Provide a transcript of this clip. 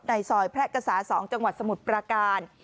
ซอยแพร่กษา๒จังหวัดสมุทรปราการ